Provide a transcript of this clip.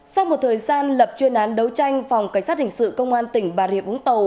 sau một thời gian lập chuyên án đấu tranh phòng cảnh sát hình sự công an tỉnh bà rịa vũng tàu